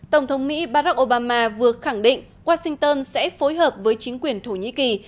tổng thống mỹ barack obama vừa khẳng định washington sẽ phối hợp với chính quyền thổ nhĩ kỳ